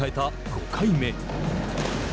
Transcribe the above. ５回目。